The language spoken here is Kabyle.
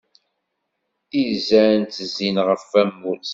Izan ttezzin ɣef wamus.